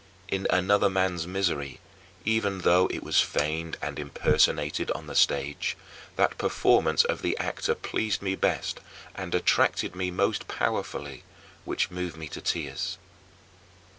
In another man's misery, even though it was feigned and impersonated on the stage, that performance of the actor pleased me best and attracted me most powerfully which moved me to tears.